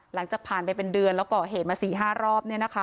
หลังจากผ่านไปเป็นเดือนแล้วก่อเหตุมา๔๕รอบ